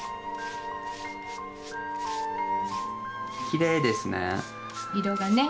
きれいですね。